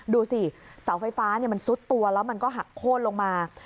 ดูสิเสาไฟฟ้ามันซุดตัวแล้วมันก็หักโค้นลงมา